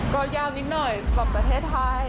ก็ยากนิดหน่อยสำหรับประเทศไทย